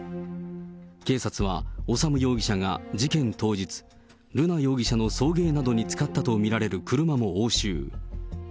警察は、修容疑者が事件当日、瑠奈容疑者の送迎などに使ったと見られる車も押収。